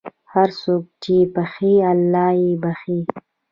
هر څوک چې بښي، الله یې بښي.